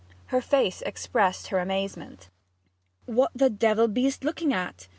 Her face expressed her amazement. 'What the devil beest looking at?'